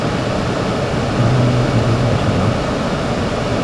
نظر إليّ شزرًا.